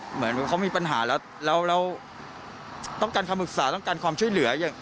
เหมือนเขามีปัญหาแล้วต้องการคำปรึกษาต้องการความช่วยเหลืออย่าง